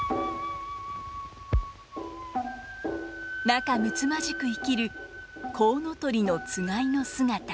仲むつまじく生きるこうの鳥のつがいの姿。